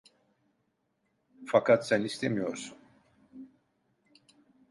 Fakat sen istemiyorsun…